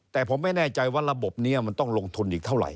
แต่ผมไม่แน่ใจว่าระบบนี้มันต้องลงทุนอีกเท่าไห